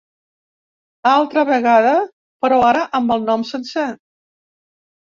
Altra vegada, però ara amb el nom sencer.